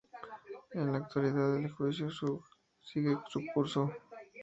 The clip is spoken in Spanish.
En la actualidad el juicio sigue su curso.